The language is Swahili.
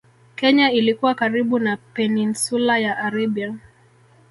Kenya ilikuwa karibu na Peninsula ya Arabia